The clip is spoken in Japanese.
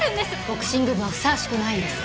ボクシング部はふさわしくないんです。